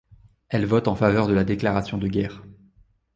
Elle vote en faveur de la déclaration de guerre.